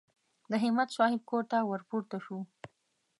د همت صاحب کور ته ور پورته شوو.